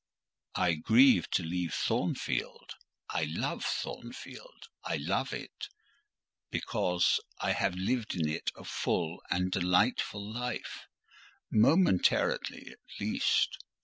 "I grieve to leave Thornfield: I love Thornfield:—I love it, because I have lived in it a full and delightful life,—momentarily at least.